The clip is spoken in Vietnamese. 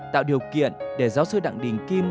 tạo điều kiện để giáo sư đặng đình kim